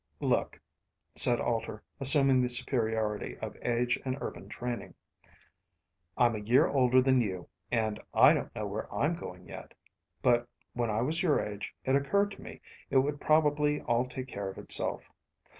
"Look," said Alter, assuming the superiority of age and urban training, "I'm a year older than you, and I don't know where I'm going yet. But when I was your age, it occurred to me it would probably all take care of itself.